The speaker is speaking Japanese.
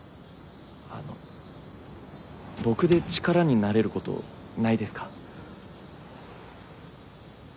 あの僕で力になれる事ないですか？